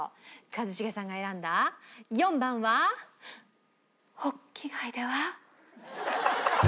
一茂さんが選んだ４番はホッキ貝では。